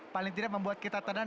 paling tidak membuat kita tenang